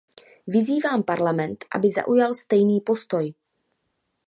Vyzývám Parlament, aby zaujal stejný postoj.